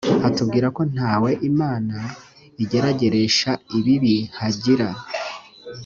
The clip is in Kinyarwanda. hatubwira ko nta we imana igerageresha ibibi hagira